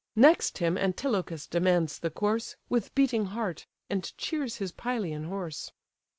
Next him Antilochus demands the course With beating heart, and cheers his Pylian horse.